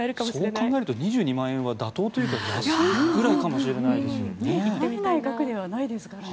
そう考えると２２万円は妥当というか安いぐらいかもしれないですね。